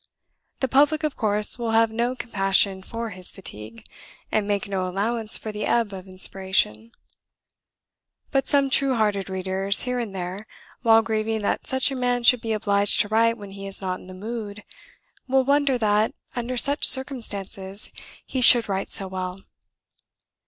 The public, of course, will have no compassion for his fatigue, and make no allowance for the ebb of inspiration; but some true hearted readers here and there, while grieving that such a man should be obliged to write when he is not in the mood, will wonder that, under such circumstances, he should write so well.